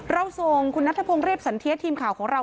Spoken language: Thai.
เราส่งคุณนัทพงศ์เรียบสันเทียทีมข่าวของเรา